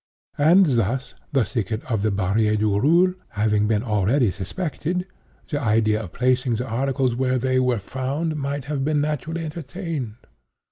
And thus, the thicket of the Barrière du Roule having been already suspected, the idea of placing the articles where they were found, might have been naturally entertained.